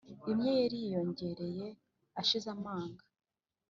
imwe yariyongereye ashize amanga,